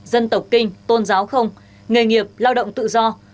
dân tộc kinh tôn giáo không nghề nghiệp lao động tự do